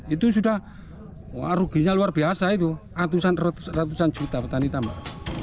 itu sudah ruginya luar biasa itu ratusan juta petani tambah